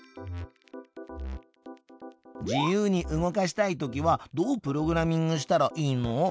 自由に動かしたいときはどうプログラミングしたらいいの？